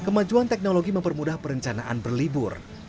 kemajuan teknologi mempermudah perencanaan berlibur